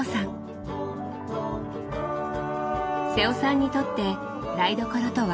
瀬尾さんにとって台所とは？